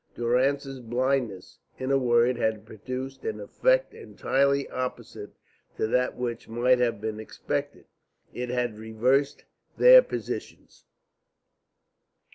Durrance's blindness, in a word, had produced an effect entirely opposite to that which might have been expected. It had reversed their positions.